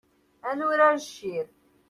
Ad nurar ččir.